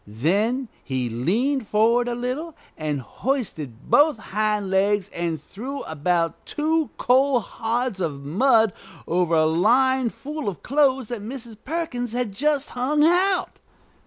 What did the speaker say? Then he leaned forward a little, and hoisted both hind legs, and threw about two coal hods of mud over a line full of clothes Mrs. Perkins had just hung out.